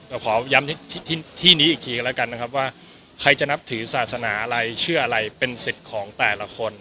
ขอย้ำที่นี้อีกทีก็แล้วกันนะครับว่าใครจะนับถือศาสนาอะไรเชื่ออะไรเป็นสิทธิ์ของแต่ละคน